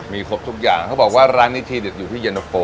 มีครบทุกอย่างเขาบอกว่าร้านนี้ทีเด็ดอยู่ที่เย็นตะโฟ